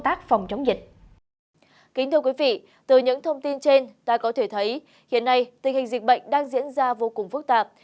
theo tin trên ta có thể thấy hiện nay tình hình dịch bệnh đang diễn ra vô cùng phức tạp